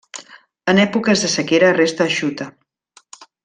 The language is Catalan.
En èpoques de sequera resta eixuta.